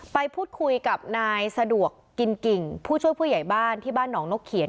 ไปพูดคุยกับนายสะดวกกินกิ่งผู้ช่วยผู้ใหญ่บ้านที่บ้านหนองนกเขียน